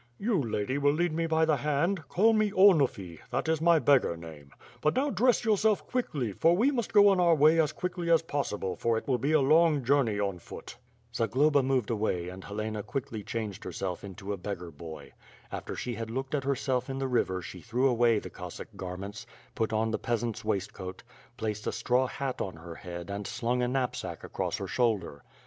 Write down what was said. You, Lady, will lead me by the hand, call me Onufy, that is my beggar name. But now, dress yourself quickly, for we must go on our way as quickly as possible for it will be a long journey on foot." Zagloba moved away and Helena quickly changed herself into a beggar boy. After she had looked at herself in the river she threw away the Cossack garments, put on the pea sant's waistcoat, placed a straw hat on her 'head and slung a knapsack across her shoulder.